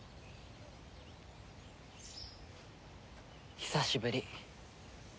久しぶり。